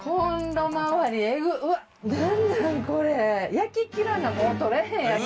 焼き切らなもう取れへんやん。